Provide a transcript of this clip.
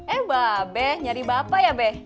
eh mba abe nyari bapak ya be